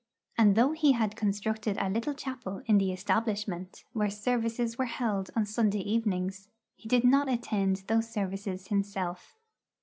And though he had constructed a little chapel in the establishment, where services were held on Sunday evenings, he did not attend those services himself.